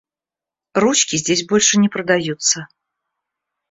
Ручки здесь больше не продаются.